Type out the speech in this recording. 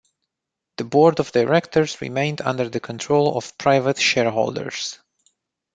The board of directors remained under the control of private shareholders.